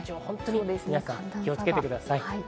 皆さん気をつけてください。